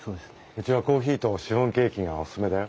うちはコーヒーとシフォンケーキがオススメだよ。